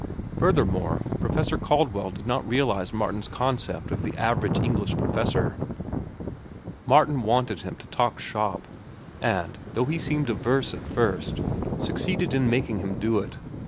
Furthermore, Professor Caldwell did not realize Martin's concept of the average English professor. Martin wanted him to talk shop, and, though he seemed averse at first, succeeded in making him do it.